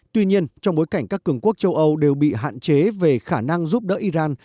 tuy nhiên trong bối cảnh các cường quốc châu âu đều bị hạn chế về khả năng giúp đỡ iran